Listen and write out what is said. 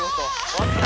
終わった！